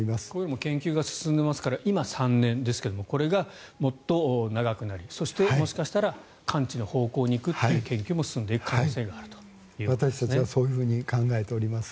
研究が進んでいますから今は３年ですがこれがもっと長くなりそして、もしかしたら完治の方向に行くという研究も進んでいく可能性もあるということですね。